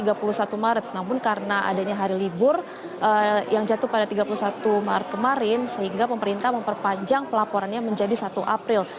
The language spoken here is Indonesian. yang terjadi pada tiga puluh satu maret namun karena adanya hari libur yang jatuh pada tiga puluh satu maret kemarin sehingga pemerintah memperpanjang pelaporannya menjadi satu april